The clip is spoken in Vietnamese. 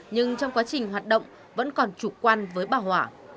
nhưng trong quá trình hoạt động vẫn còn trục quan với bảo hỏa